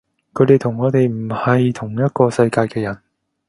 佢哋同我哋唔係同一個世界嘅人